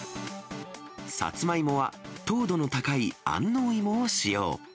サツマイモは、糖度の高い安納芋を使用。